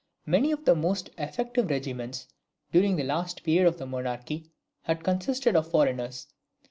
Many of the most effective regiments during the last period of the monarchy had consisted of foreigners.